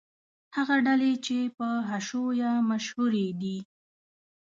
هغه ډلې چې په حشویه مشهورې دي.